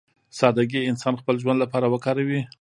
سادهګي انسان خپل ژوند لپاره وکاروي.